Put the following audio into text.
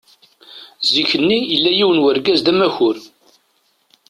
Zik-nni, yella yiwen n urgaz d amakur.